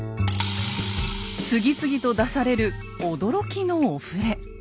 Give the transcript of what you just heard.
次々と出される驚きのお触れ。